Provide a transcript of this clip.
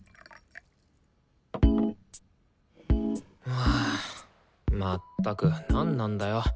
はぁまったくなんなんだよ？